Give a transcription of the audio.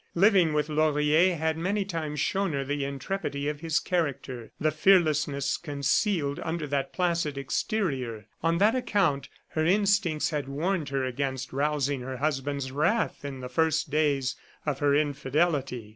Living with Laurier had many times shown her the intrepidity of his character, the fearlessness concealed under that placid exterior. On that account, her instincts had warned her against rousing her husband's wrath in the first days of her infidelity.